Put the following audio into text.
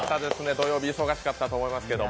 土曜日、忙しかったと思いますけど。